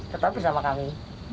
tetap bersama kami